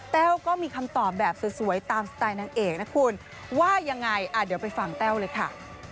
ก็มีคำตอบแบบสวยตามสไตล์นางเอกนะคุณว่ายังไงเดี๋ยวไปฟังแต้วเลยค่ะ